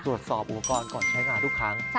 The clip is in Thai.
ตรวจสอบอุปกรณ์ก่อนใช้งานทุกครั้ง